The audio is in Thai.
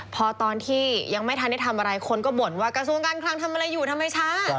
พอตอนที่ยังไม่ทันได้ทำอะไรคนก็บ่นว่ากระทรวงการคลังทำอะไรอยู่ทำไมช้า